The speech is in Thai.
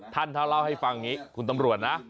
ท่านถ้าเล่าให้ฟังอย่างนี้คุณตำรวจนะ